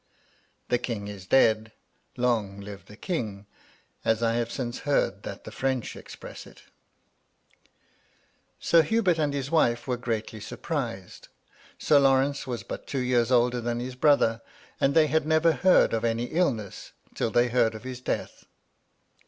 The king is dead —" Long live the king 1" as I have since heard that the French express it Sir Hubert and his wife were greatly surprised. Sir Lawrence was but two years older than his brother ; and they had never heard of any illness till they heard of his death.